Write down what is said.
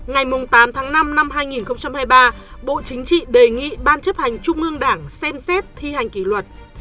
ngày tám tháng năm năm hai nghìn hai mươi ba bộ chính trị đề nghị ban chấp hành trung ương đảng xem xét thi hành kỷ luật